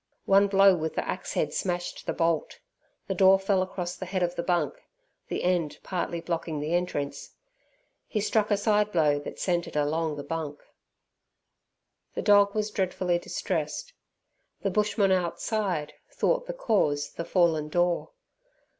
One blow with the axe head smashed the bolt. The door fell across the head of the bunk, the end partly blocking the entrance. He struck a side blow that sent it along the bunk. The dog was dreadfully distressed. The bushman outside thought the cause the fallen door.